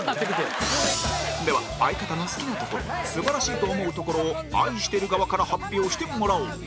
では相方の好きなところ素晴らしいと思うところを愛してる側から発表してもらおう